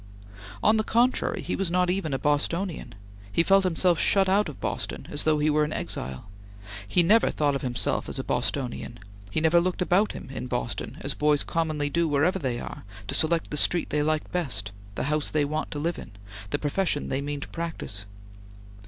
On the contrary, he was not even a Bostonian; he felt himself shut out of Boston as though he were an exile; he never thought of himself as a Bostonian; he never looked about him in Boston, as boys commonly do wherever they are, to select the street they like best, the house they want to live in, the profession they mean to practise.